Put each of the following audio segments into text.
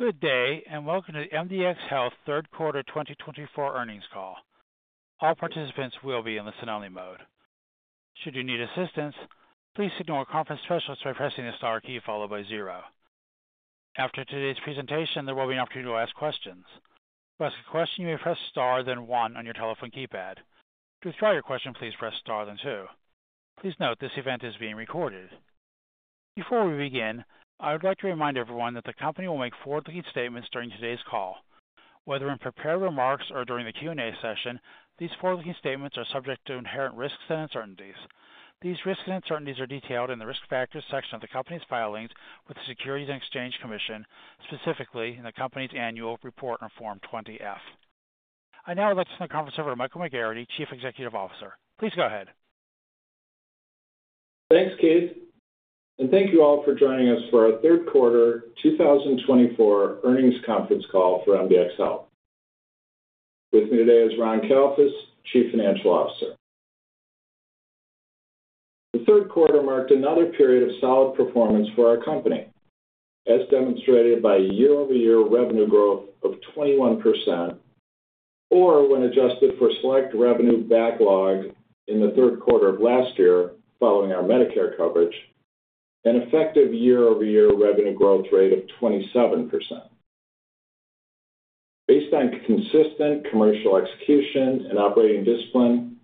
Good day, and welcome to the MDxHealth third quarter 2024 earnings call. All participants will be in the listen-only mode. Should you need assistance, please signal a conference specialist by pressing the star key followed by zero. After today's presentation, there will be an opportunity to ask questions. To ask a question, you may press star then one on your telephone keypad. To withdraw your question, please press star then two. Please note this event is being recorded. Before we begin, I would like to remind everyone that the company will make forward-looking statements during today's call. Whether in prepared remarks or during the Q&A session, these forward-looking statements are subject to inherent risks and uncertainties. These risks and uncertainties are detailed in the risk factors section of the company's filings with the Securities and Exchange Commission, specifically in the company's annual report on Form 20-F. I now would like to turn the conference over to Mike McGarrity, Chief Executive Officer. Please go ahead. Thanks, Keith, and thank you all for joining us for our third quarter 2024 earnings conference call for MDxHealth. With me today is Ron Kalfus, Chief Financial Officer. The third quarter marked another period of solid performance for our company, as demonstrated by year-over-year revenue growth of 21%, or when adjusted for select revenue backlog in the third quarter of last year following our Medicare coverage, an effective year-over-year revenue growth rate of 27%. Based on consistent commercial execution and operating discipline,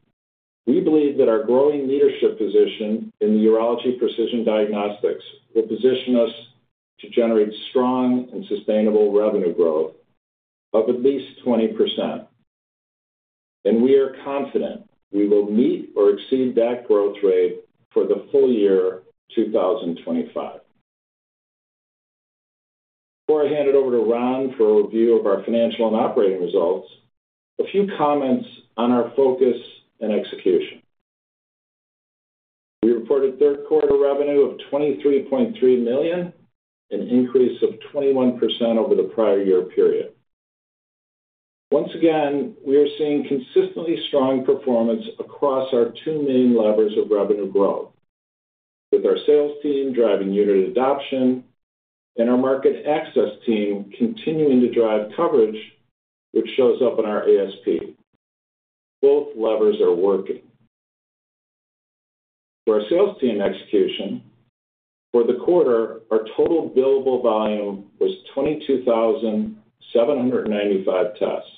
we believe that our growing leadership position in the urology precision diagnostics will position us to generate strong and sustainable revenue growth of at least 20%, and we are confident we will meet or exceed that growth rate for the full year 2025. Before I hand it over to Ron for a review of our financial and operating results, a few comments on our focus and execution. We reported third quarter revenue of $23.3 million, an increase of 21% over the prior year period. Once again, we are seeing consistently strong performance across our two main levers of revenue growth, with our sales team driving unit adoption and our market access team continuing to drive coverage, which shows up in our ASP. Both levers are working. For our sales team execution, for the quarter, our total billable volume was 22,795 tests,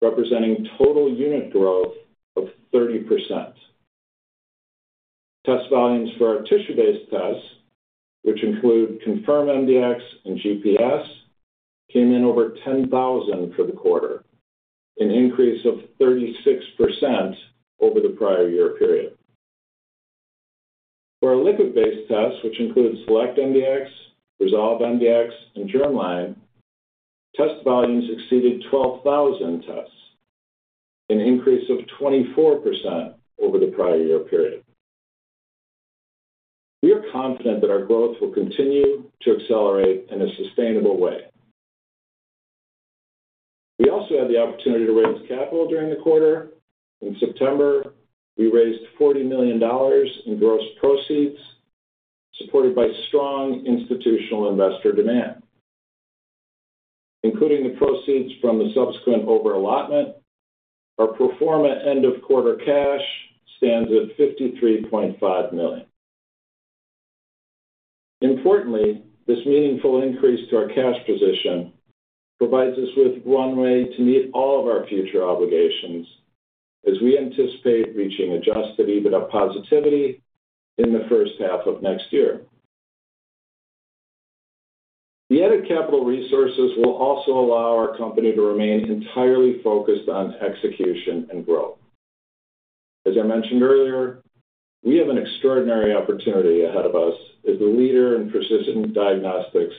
representing total unit growth of 30%. Test volumes for our tissue-based tests, which include Confirm mdx and GPS, came in over 10,000 for the quarter, an increase of 36% over the prior year period. For our liquid-based tests, which include Select mdx, Resolve mdx, and Germline, test volumes exceeded 12,000 tests, an increase of 24% over the prior year period. We are confident that our growth will continue to accelerate in a sustainable way. We also had the opportunity to raise capital during the quarter. In September, we raised $40 million in gross proceeds, supported by strong institutional investor demand. Including the proceeds from the subsequent overallotment, our pro forma end-of-quarter cash stands at $53.5 million. Importantly, this meaningful increase to our cash position provides us with one way to meet all of our future obligations, as we anticipate reaching Adjusted EBITDA positivity in the first half of next year. The added capital resources will also allow our company to remain entirely focused on execution and growth. As I mentioned earlier, we have an extraordinary opportunity ahead of us as the leader in precision diagnostics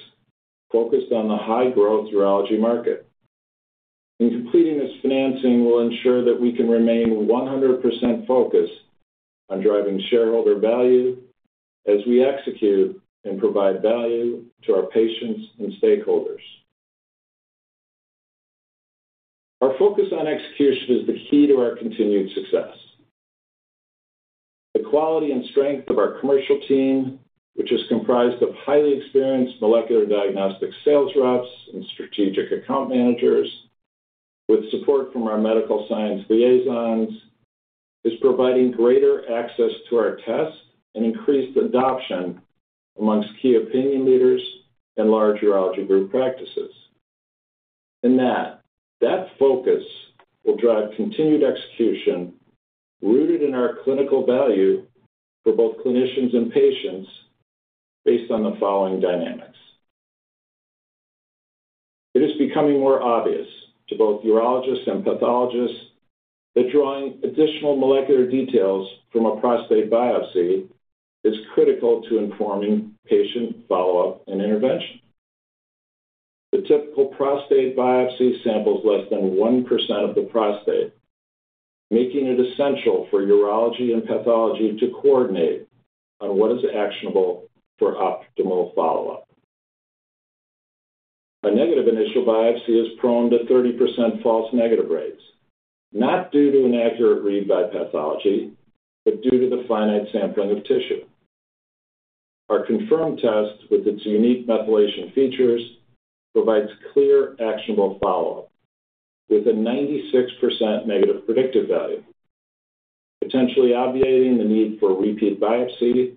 focused on the high-growth urology market. In completing this financing, we'll ensure that we can remain 100% focused on driving shareholder value as we execute and provide value to our patients and stakeholders. Our focus on execution is the key to our continued success. The quality and strength of our commercial team, which is comprised of highly experienced molecular diagnostic sales reps and strategic account managers, with support from our medical science liaisons, is providing greater access to our tests and increased adoption among key opinion leaders and large urology group practices. And that focus will drive continued execution rooted in our clinical value for both clinicians and patients based on the following dynamics. It is becoming more obvious to both urologists and pathologists that drawing additional molecular details from a prostate biopsy is critical to informing patient follow-up and intervention. The typical prostate biopsy samples less than 1% of the prostate, making it essential for urology and pathology to coordinate on what is actionable for optimal follow-up. A negative initial biopsy is prone to 30% false negative rates, not due to inaccurate read by pathology, but due to the finite sampling of tissue. Our Confirm mdx test, with its unique methylation features, provides clear, actionable follow-up with a 96% negative predictive value, potentially obviating the need for repeat biopsy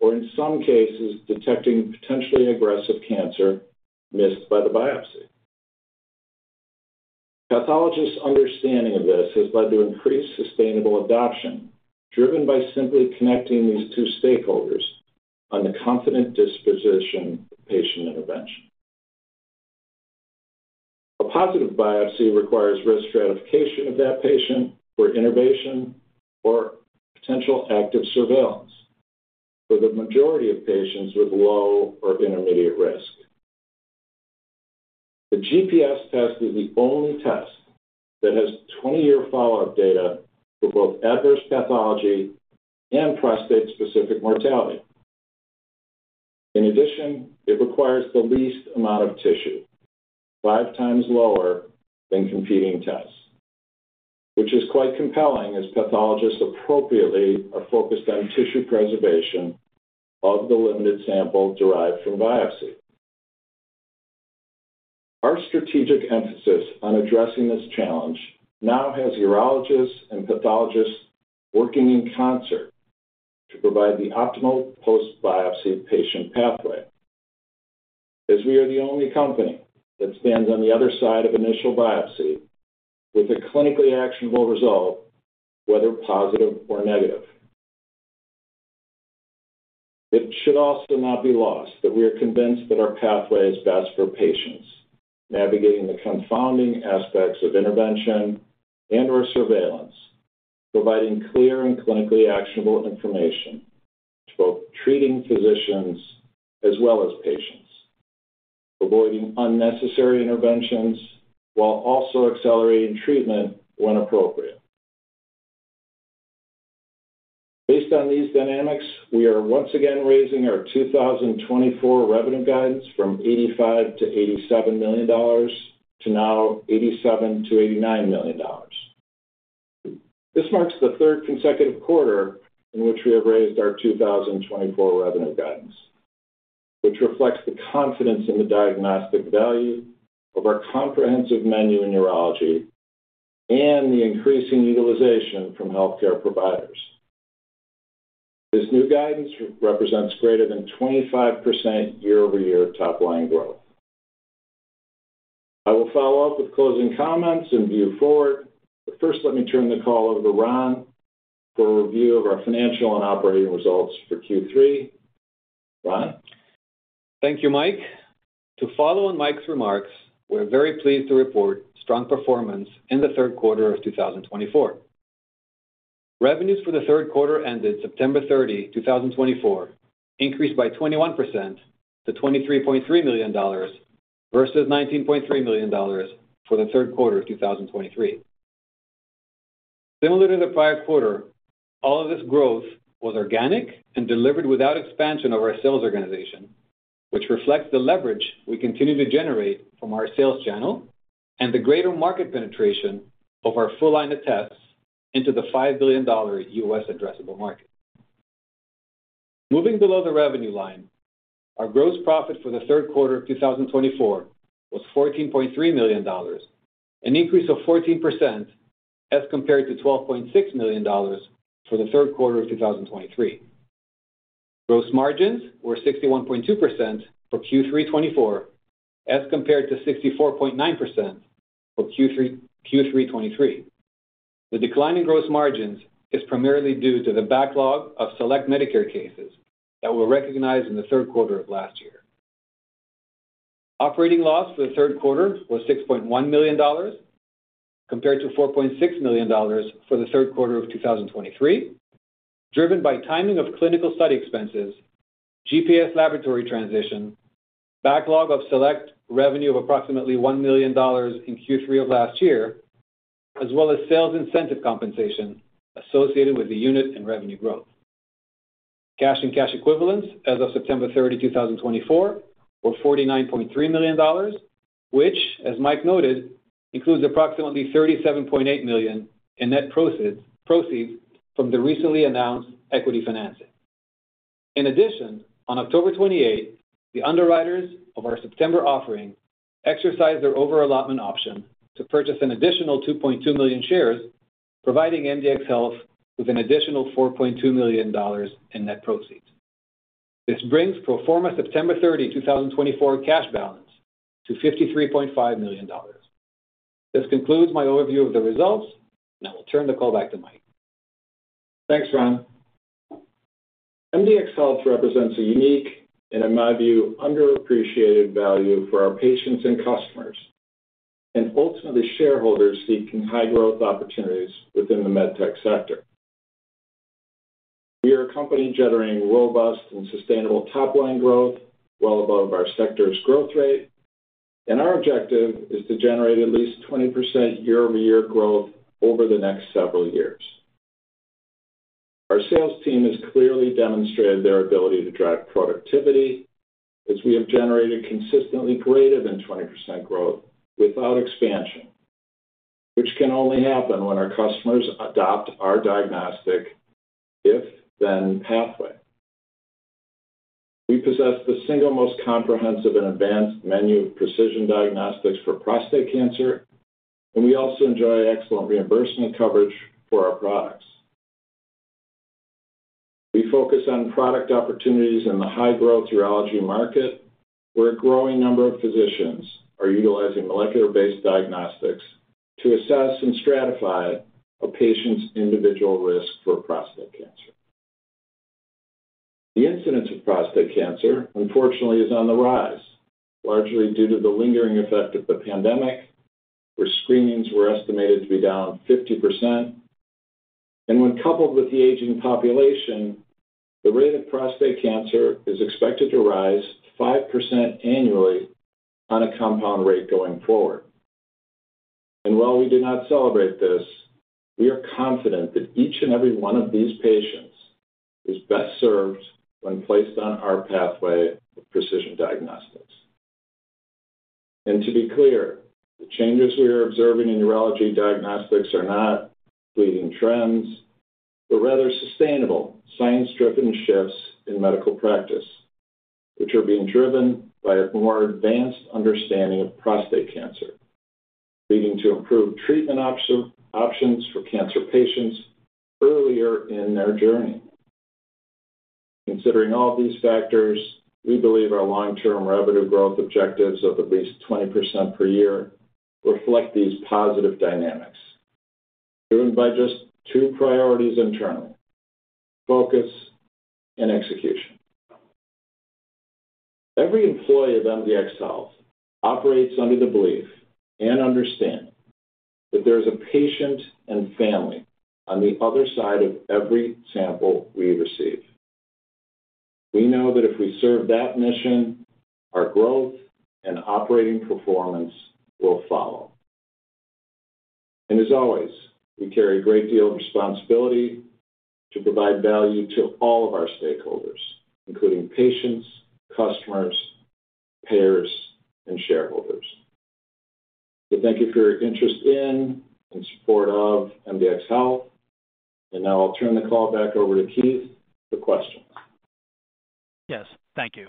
or, in some cases, detecting potentially aggressive cancer missed by the biopsy. Pathologists' understanding of this has led to increased sustainable adoption, driven by simply connecting these two stakeholders on the confident disposition of patient intervention. A positive biopsy requires risk stratification of that patient for innovation or potential active surveillance for the majority of patients with low or intermediate risk. The GPS test is the only test that has 20-year follow-up data for both adverse pathology and prostate-specific mortality. In addition, it requires the least amount of tissue, five times lower than competing tests, which is quite compelling as pathologists appropriately are focused on tissue preservation of the limited sample derived from biopsy. Our strategic emphasis on addressing this challenge now has urologists and pathologists working in concert to provide the optimal post-biopsy patient pathway, as we are the only company that stands on the other side of initial biopsy with a clinically actionable result, whether positive or negative. It should also not be lost that we are convinced that our pathway is best for patients navigating the confounding aspects of intervention and/or surveillance, providing clear and clinically actionable information to both treating physicians as well as patients, avoiding unnecessary interventions while also accelerating treatment when appropriate. Based on these dynamics, we are once again raising our 2024 revenue guidance from $85 million-$87 million to now $87 million-$89 million. This marks the third consecutive quarter in which we have raised our 2024 revenue guidance, which reflects the confidence in the diagnostic value of our comprehensive menu in urology and the increasing utilization from healthcare providers. This new guidance represents greater than 25% year-over-year top-line growth. I will follow up with closing comments and view forward, but first, let me turn the call over to Ron for a review of our financial and operating results for Q3. Ron? Thank you, Mike. To follow on Mike's remarks, we're very pleased to report strong performance in the third quarter of 2024. Revenues for the third quarter ended September 30, 2024, increased by 21% to $23.3 million versus $19.3 million for the third quarter of 2023. Similar to the prior quarter, all of this growth was organic and delivered without expansion of our sales organization, which reflects the leverage we continue to generate from our sales channel and the greater market penetration of our full line of tests into the $5 billion U.S. addressable market. Moving below the revenue line, our gross profit for the third quarter of 2024 was $14.3 million, an increase of 14% as compared to $12.6 million for the third quarter of 2023. Gross margins were 61.2% for Q3 2024 as compared to 64.9% for Q3 2023. The decline in gross margins is primarily due to the backlog of Select Medicare cases that were recognized in the third quarter of last year. Operating loss for the third quarter was $6.1 million compared to $4.6 million for the third quarter of 2023, driven by timing of clinical study expenses, GPS laboratory transition, backlog of Select revenue of approximately $1 million in Q3 of last year, as well as sales incentive compensation associated with the unit and revenue growth. Cash and cash equivalents as of September 30, 2024, were $49.3 million, which, as Mike noted, includes approximately $37.8 million in net proceeds from the recently announced equity financing. In addition, on October 28, the underwriters of our September offering exercised their over-allotment option to purchase an additional 2.2 million shares, providing MDxHealth with an additional $4.2 million in net proceeds. This brings pro forma September 30, 2024, cash balance to $53.5 million. This concludes my overview of the results, and I will turn the call back to Mike. Thanks, Ron. MDxHealth represents a unique and, in my view, underappreciated value for our patients and customers, and ultimately shareholders seeking high-growth opportunities within the medtech sector. We are a company generating robust and sustainable top-line growth well above our sector's growth rate, and our objective is to generate at least 20% year-over-year growth over the next several years. Our sales team has clearly demonstrated their ability to drive productivity as we have generated consistently greater than 20% growth without expansion, which can only happen when our customers adopt our diagnostic if/then pathway. We possess the single most comprehensive and advanced menu of precision diagnostics for prostate cancer, and we also enjoy excellent reimbursement coverage for our products. We focus on product opportunities in the high-growth urology market, where a growing number of physicians are utilizing molecular-based diagnostics to assess and stratify a patient's individual risk for prostate cancer. The incidence of prostate cancer, unfortunately, is on the rise, largely due to the lingering effect of the pandemic, where screenings were estimated to be down 50%, and when coupled with the aging population, the rate of prostate cancer is expected to rise 5% annually on a compound rate going forward, and while we do not celebrate this, we are confident that each and every one of these patients is best served when placed on our pathway of precision diagnostics, and to be clear, the changes we are observing in urology diagnostics are not fleeting trends, but rather sustainable science-driven shifts in medical practice, which are being driven by a more advanced understanding of prostate cancer, leading to improved treatment options for cancer patients earlier in their journey. Considering all these factors, we believe our long-term revenue growth objectives of at least 20% per year reflect these positive dynamics, driven by just two priorities internally: focus and execution. Every employee of MDxHealth operates under the belief and understanding that there is a patient and family on the other side of every sample we receive. We know that if we serve that mission, our growth and operating performance will follow. As always, we carry a great deal of responsibility to provide value to all of our stakeholders, including patients, customers, payers, and shareholders. Thank you for your interest in and support of MDxHealth. Now I'll turn the call back over to Keith for questions. Yes, thank you.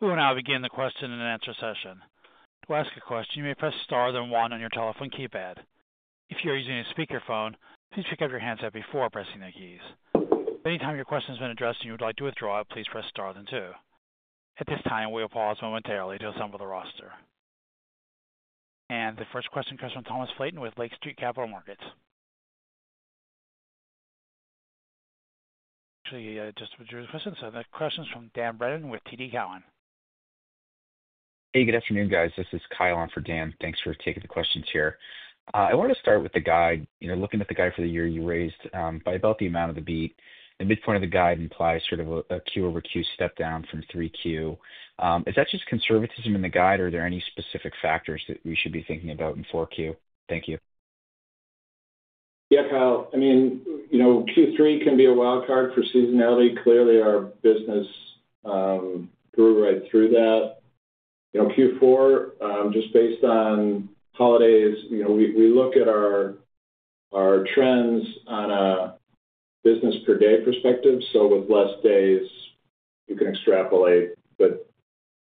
We will now begin the question and answer session. To ask a question, you may press star then one on your telephone keypad. If you're using a speakerphone, please pick up the handset before pressing the keys. Anytime your question has been addressed and you would like to withdraw it, please press star then two. At this time, we will pause momentarily to assemble the roster. And the first question comes from Thomas Flaten with Lake Street Capital Markets. Actually, just withdrew his question. The question's from Dan Brennan with TD Cowen. Hey, good afternoon, guys. This is Kyle on for Dan. Thanks for taking the questions here. I wanted to start with the guide. Looking at the guide for the year, you raised by about the amount of the beat. The midpoint of the guide implies sort of a Q-over-Q step down from 3Q. Is that just conservatism in the guide, or are there any specific factors that we should be thinking about in 4Q? Thank you. Yeah, Kyle. I mean, Q3 can be a wildcard for seasonality. Clearly, our business grew right through that. Q4, just based on holidays, we look at our trends on a business-per-day perspective. So with less days, you can extrapolate, but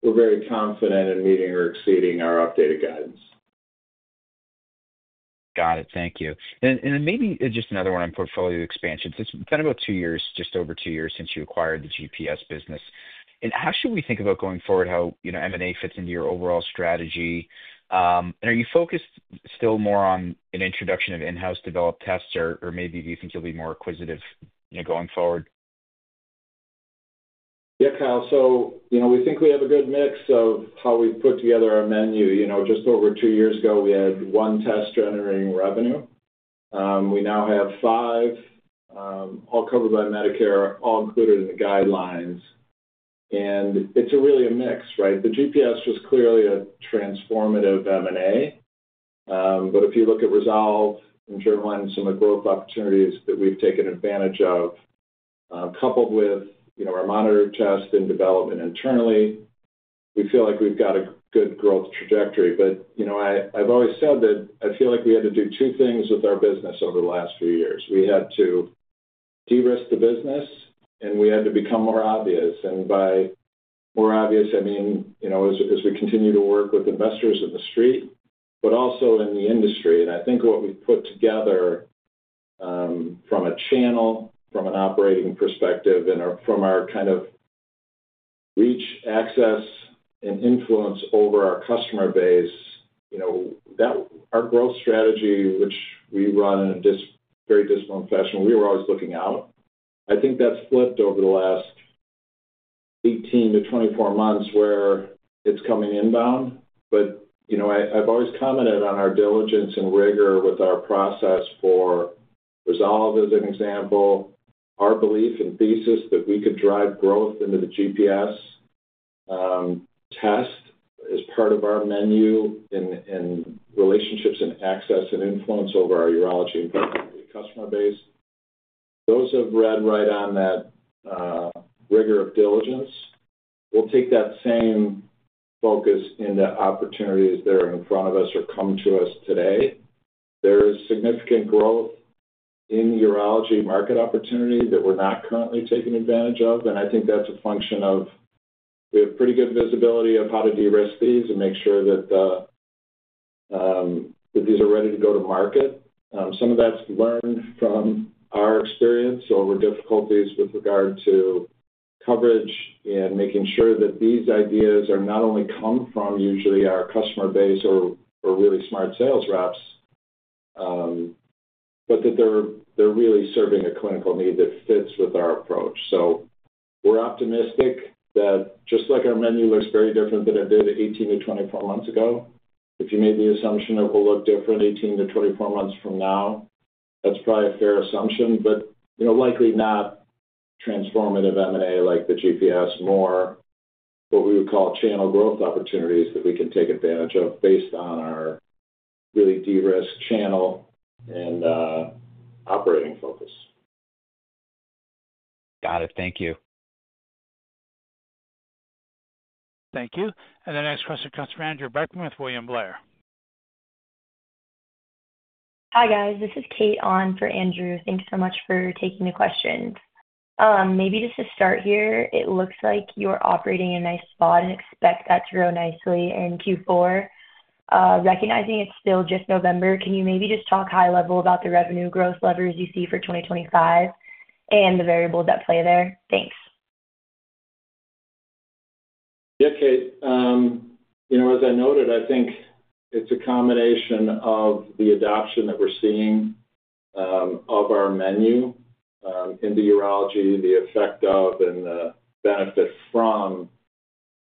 we're very confident in meeting or exceeding our updated guidance. Got it. Thank you. And then maybe just another one on portfolio expansion. It's been about two years, just over two years since you acquired the GPS business. And how should we think about going forward how M&A fits into your overall strategy? And are you focused still more on an introduction of in-house developed tests, or maybe do you think you'll be more acquisitive going forward? Yeah, Kyle. So we think we have a good mix of how we've put together our menu. Just over two years ago, we had one test generating revenue. We now have five, all covered by Medicare, all included in the guidelines. And it's really a mix, right? The GPS was clearly a transformative M&A, but if you look at Resolve and Germline, some of the growth opportunities that we've taken advantage of, coupled with our Monitor test and development internally, we feel like we've got a good growth trajectory. But I've always said that I feel like we had to do two things with our business over the last few years. We had to de-risk the business, and we had to become more obvious. And by more obvious, I mean as we continue to work with investors in the street, but also in the industry. I think what we've put together from a channel, from an operating perspective, and from our kind of reach, access, and influence over our customer base, our growth strategy, which we run in a very disciplined fashion, we were always looking out. I think that's flipped over the last 18-24 months where it's coming inbound. But I've always commented on our diligence and rigor with our process for Resolve, as an example. Our belief and thesis that we could drive growth into the GPS test as part of our menu and relationships and access and influence over our urology and customer base, those have read right on that rigor of diligence. We'll take that same focus into opportunities that are in front of us or come to us today. There is significant growth in the urology market opportunity that we're not currently taking advantage of. And I think that's a function of we have pretty good visibility of how to de-risk these and make sure that these are ready to go to market. Some of that's learned from our experience over difficulties with regard to coverage and making sure that these ideas not only come from usually our customer base or really smart sales reps, but that they're really serving a clinical need that fits with our approach. So we're optimistic that just like our menu looks very different than it did 18-24 months ago, if you made the assumption it will look different 18-24 months from now, that's probably a fair assumption, but likely not transformative M&A like the GPS, more what we would call channel growth opportunities that we can take advantage of based on our really de-risk channel and operating focus. Got it. Thank you. Thank you. And the next question comes from Andrew Brackmann with William Blair. Hi, guys. This is Kate on for Andrew. Thanks so much for taking the questions. Maybe just to start here, it looks like you're operating in a nice spot and expect that to grow nicely in Q4. Recognizing it's still just November, can you maybe just talk high-level about the revenue growth levers you see for 2025 and the variables that play there? Thanks. Yeah, Kate. As I noted, I think it's a combination of the adoption that we're seeing of our menu in the urology, the effect of, and the benefit from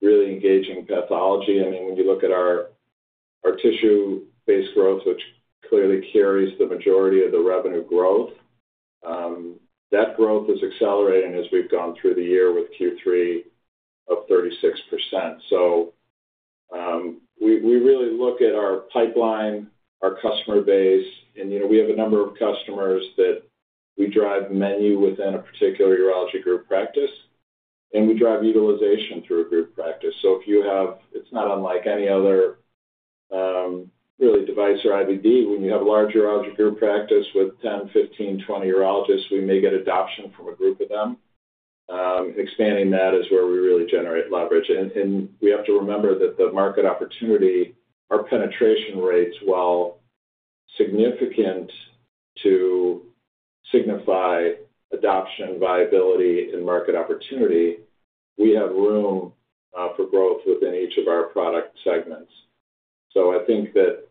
really engaging pathology. I mean, when you look at our tissue-based growth, which clearly carries the majority of the revenue growth, that growth is accelerating as we've gone through the year with Q3 of 36%. So we really look at our pipeline, our customer base, and we have a number of customers that we drive menu within a particular urology group practice, and we drive utilization through a group practice. So if you have, it's not unlike any other really device or IVD, when you have a large urology group practice with 10, 15, 20 urologists, we may get adoption from a group of them. Expanding that is where we really generate leverage. We have to remember that the market opportunity, our penetration rates while significant to signify adoption viability and market opportunity, we have room for growth within each of our product segments. I think that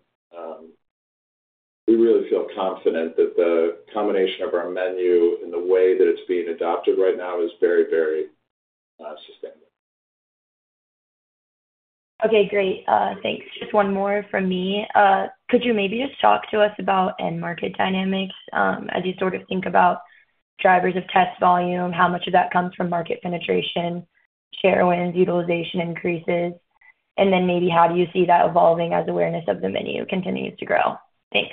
we really feel confident that the combination of our menu and the way that it's being adopted right now is very, very sustainable. Okay, great. Thanks. Just one more from me. Could you maybe just talk to us about end market dynamics as you sort of think about drivers of test volume, how much of that comes from market penetration, share wins, utilization increases, and then maybe how do you see that evolving as awareness of the menu continues to grow? Thanks.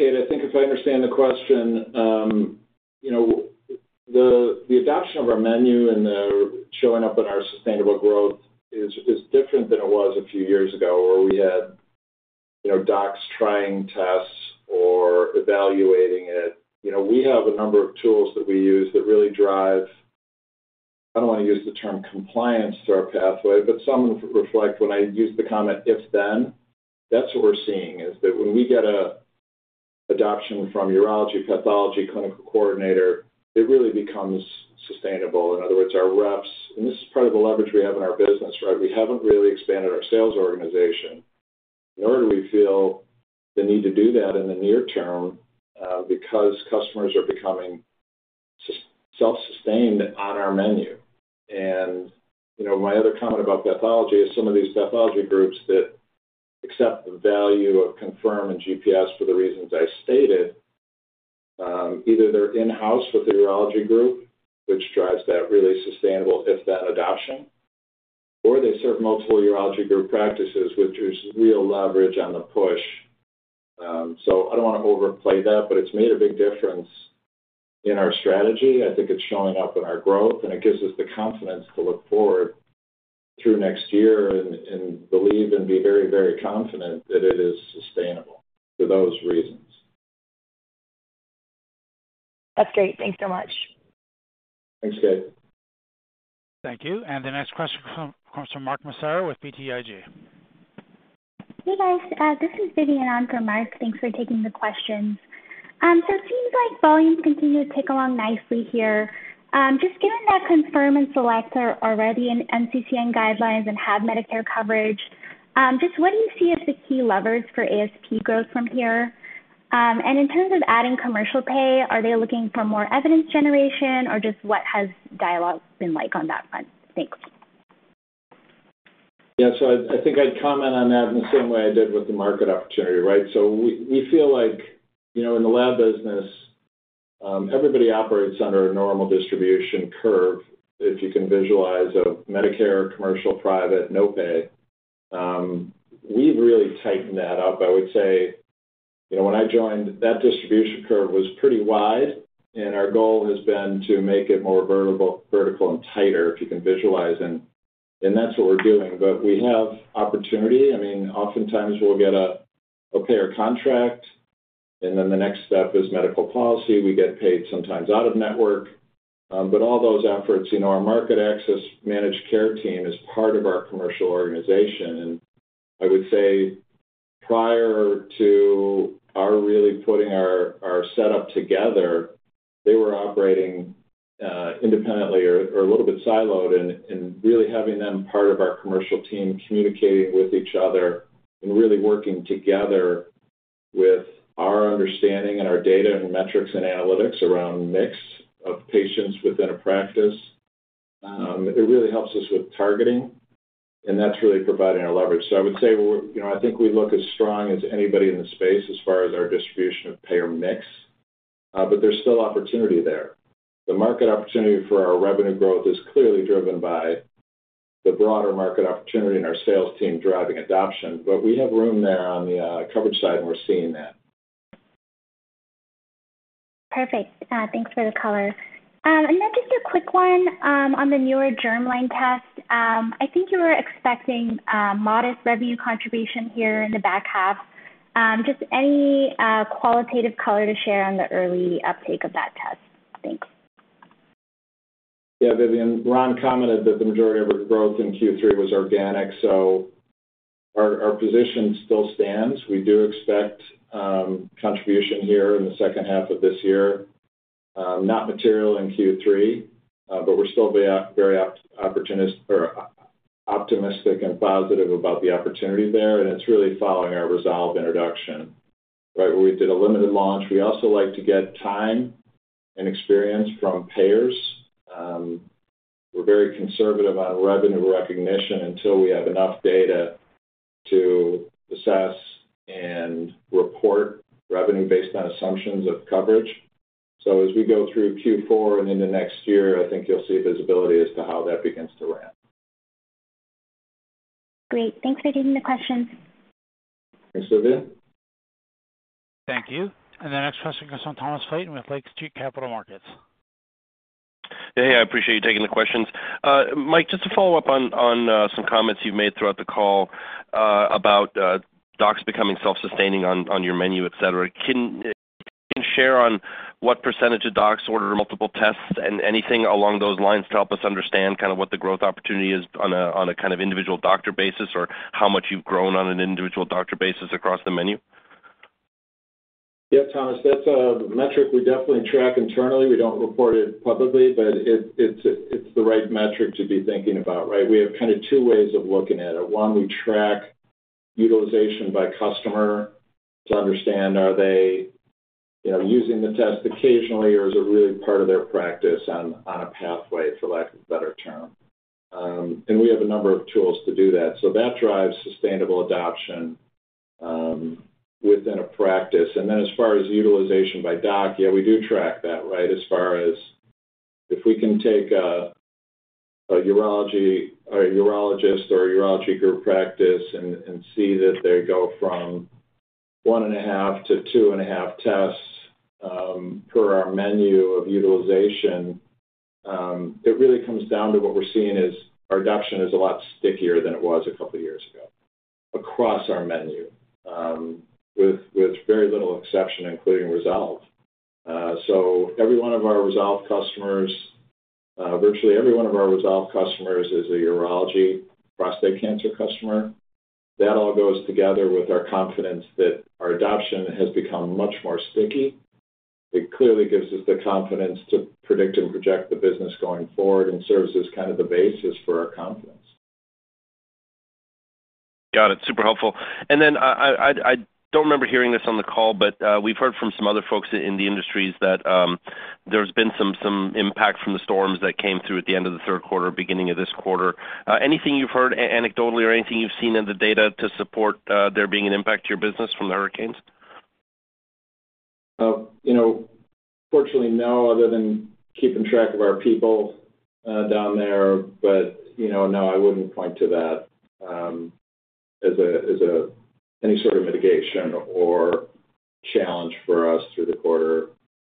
Yeah, Kate. I think if I understand the question, the adoption of our menu and the showing up in our sustainable growth is different than it was a few years ago where we had docs trying tests or evaluating it. We have a number of tools that we use that really drive, I don't want to use the term compliance through our pathway, but some reflect when I use the comment, "If then," that's what we're seeing is that when we get an adoption from urology pathology clinical coordinator, it really becomes sustainable. In other words, our reps, and this is part of the leverage we have in our business, right? We haven't really expanded our sales organization, nor do we feel the need to do that in the near term because customers are becoming self-sustained on our menu. And my other comment about pathology is some of these pathology groups that accept the value of Confirm mdx and GPS for the reasons I stated, either they're in-house with the urology group, which drives that really sustainable, "If then," adoption, or they serve multiple urology group practices, which is real leverage on the push. So I don't want to overplay that, but it's made a big difference in our strategy. I think it's showing up in our growth, and it gives us the confidence to look forward through next year and believe and be very, very confident that it is sustainable for those reasons. That's great. Thanks so much. Thanks, Kate. Thank you. And the next question comes from Mark Massaro with BTIG. Hey, guys. This is Vidyun on for Mark. Thanks for taking the questions. So it seems like volumes continue to tick along nicely here. Just given that confirm and select are already in NCCN guidelines and have Medicare coverage, just what do you see as the key levers for ASP growth from here? And in terms of adding commercial pay, are they looking for more evidence generation, or just what has dialogue been like on that front? Thanks. Yeah. So I think I'd comment on that in the same way I did with the market opportunity, right? So we feel like in the lab business, everybody operates under a normal distribution curve, if you can visualize a Medicare, commercial, private, no pay. We've really tightened that up. I would say when I joined, that distribution curve was pretty wide, and our goal has been to make it more vertical and tighter, if you can visualize. And that's what we're doing. But we have opportunity. I mean, oftentimes we'll get a payer contract, and then the next step is medical policy. We get paid sometimes out of network. But all those efforts, our market access managed care team is part of our commercial organization. I would say prior to our really putting our setup together, they were operating independently or a little bit siloed and really having them part of our commercial team communicating with each other and really working together with our understanding and our data and metrics and analytics around mix of patients within a practice. It really helps us with targeting, and that's really providing our leverage. So I would say I think we look as strong as anybody in the space as far as our distribution of payer mix, but there's still opportunity there. The market opportunity for our revenue growth is clearly driven by the broader market opportunity and our sales team driving adoption, but we have room there on the coverage side, and we're seeing that. Perfect. Thanks for the color, and then just a quick one on the newer germline test. I think you were expecting modest revenue contribution here in the back half. Just any qualitative color to share on the early uptake of that test? Thanks. Yeah, Vidyun. Ron commented that the majority of our growth in Q3 was organic, so our position still stands. We do expect contribution here in the second half of this year, not material in Q3, but we're still very optimistic and positive about the opportunity there. And it's really following our Resolve introduction, right, where we did a limited launch. We also like to get time and experience from payers. We're very conservative on revenue recognition until we have enough data to assess and report revenue based on assumptions of coverage. So as we go through Q4 and into next year, I think you'll see visibility as to how that begins to ramp. Great. Thanks for taking the questions. Thanks, Vidyun. Thank you. And the next question comes from Thomas Flaten with Lake Street Capital Markets. Hey, I appreciate you taking the questions. Mike, just to follow up on some comments you've made throughout the call about docs becoming self-sustaining on your menu, etc., can you share on what percentage of docs order multiple tests and anything along those lines to help us understand kind of what the growth opportunity is on a kind of individual doctor basis or how much you've grown on an individual doctor basis across the menu? Yeah, Thomas, that's a metric we definitely track internally. We don't report it publicly, but it's the right metric to be thinking about, right? We have kind of two ways of looking at it. One, we track utilization by customer to understand, are they using the test occasionally, or is it really part of their practice on a pathway, for lack of a better term? And we have a number of tools to do that. So that drives sustainable adoption within a practice. And then, as far as utilization by doc, yeah, we do track that, right, as far as if we can take a urology or a urologist or a urology group practice and see that they go from 1.5 to 2.5 tests per our menu of utilization, it really comes down to what we're seeing is our adoption is a lot stickier than it was a couple of years ago across our menu with very little exception, including Resolve. So every one of our Resolve customers, virtually every one of our Resolve customers, is a urology prostate cancer customer. That all goes together with our confidence that our adoption has become much more sticky. It clearly gives us the confidence to predict and project the business going forward and serves as kind of the basis for our confidence. Got it. Super helpful, and then I don't remember hearing this on the call, but we've heard from some other folks in the industries that there's been some impact from the storms that came through at the end of the third quarter, beginning of this quarter. Anything you've heard anecdotally or anything you've seen in the data to support there being an impact to your business from the hurricanes? Fortunately, no, other than keeping track of our people down there, but no, I wouldn't point to that as any sort of mitigation or challenge for us through the quarter,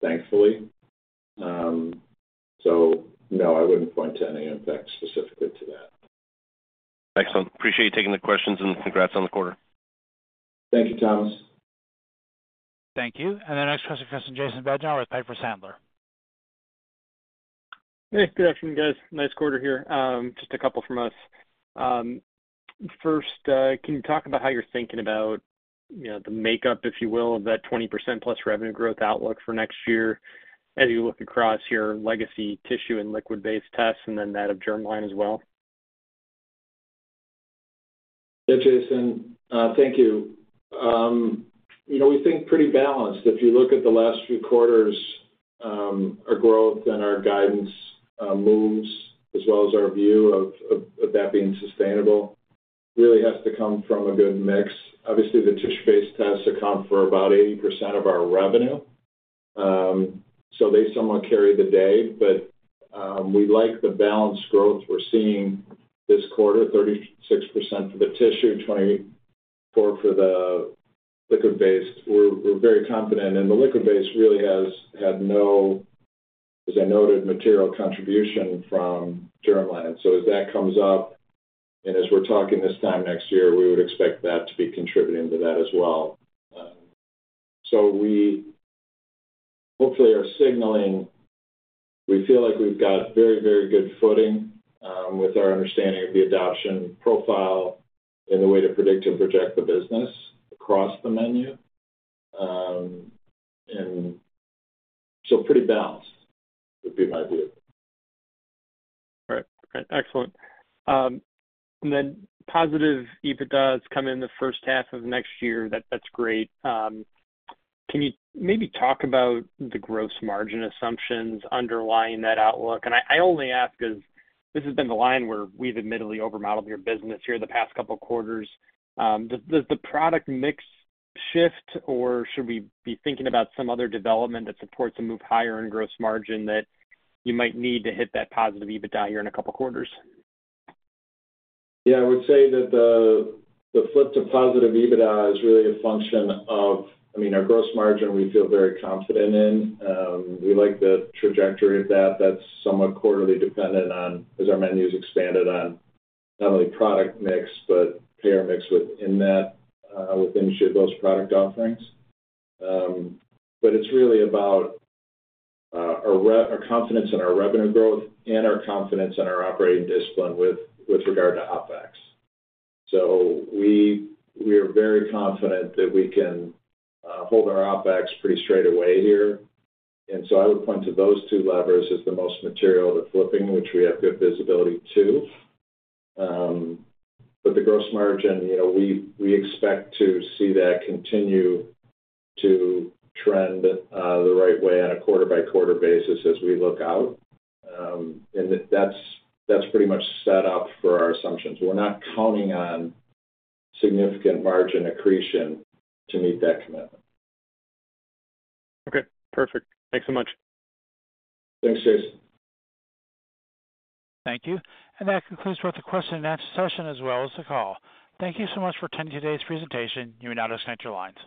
thankfully, so no, I wouldn't point to any impact specifically to that. Excellent. Appreciate you taking the questions and congrats on the quarter. Thank you, Thomas. Thank you. And the next question comes from Jason Bednar with Piper Sandler. Hey, good afternoon, guys. Nice quarter here. Just a couple from us. First, can you talk about how you're thinking about the makeup, if you will, of that +20% revenue growth outlook for next year as you look across your legacy tissue and liquid-based tests and then that of Germline as well? Yeah, Jason. Thank you. We think pretty balanced. If you look at the last few quarters, our growth and our guidance moves as well as our view of that being sustainable really has to come from a good mix. Obviously, the tissue-based tests account for about 80% of our revenue, so they somewhat carry the day, but we like the balanced growth we're seeing this quarter: 36% for the tissue, 24% for the liquid-based. We're very confident, and the liquid-based really has had no, as I noted, material contribution from Germline, so as that comes up and as we're talking this time next year, we would expect that to be contributing to that as well, so hopefully, we're signaling we feel like we've got very, very good footing with our understanding of the adoption profile and the way to predict and project the business across the menu. Pretty balanced would be my view. All right. Excellent, and then positive, if it does come in the first half of next year, that's great. Can you maybe talk about the gross margin assumptions underlying that outlook, and I only ask because this has been the line where we've admittedly overmodeled your business here the past couple of quarters. Does the product mix shift, or should we be thinking about some other development that supports a move higher in gross margin that you might need to hit that positive EBITDA here in a couple of quarters? Yeah. I would say that the flip to positive EBITDA is really a function of, I mean, our gross margin, we feel very confident in. We like the trajectory of that. That's somewhat quarterly dependent on, as our menu's expanded, on not only product mix but payer mix within that, within share those product offerings, but it's really about our confidence in our revenue growth and our confidence in our operating discipline with regard to OpEx. We are very confident that we can hold our OpEx pretty straight away here, and I would point to those two levers as the most material to flipping, which we have good visibility to. The gross margin, we expect to see that continue to trend the right way on a quarter-by-quarter basis as we look out, and that's pretty much set up for our assumptions. We're not counting on significant margin accretion to meet that commitment. Okay. Perfect. Thanks so much. Thanks, Jason. Thank you, and that concludes both the question and answer session as well as the call. Thank you so much for attending today's presentation. You may now disconnect your lines.